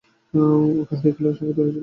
ওকে হারিয়ে ফেলার আশংকা তৈরী হয়েছিল!